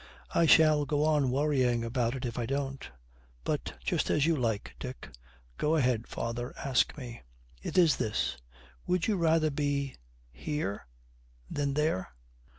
'I shall go on worrying about it if I don't but just as you like, Dick.' 'Go ahead, father; ask me.' 'It is this. Would you rather be here than there?'